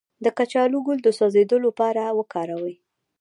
د کچالو ګل د سوځیدو لپاره وکاروئ